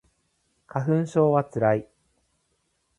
花粉症はつらい